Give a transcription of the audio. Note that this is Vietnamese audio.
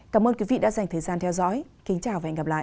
cảm ơn quý vị đã dành thời gian theo dõi kính chào và hẹn gặp lại